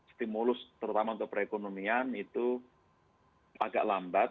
stimulus terutama untuk perekonomian itu agak lambat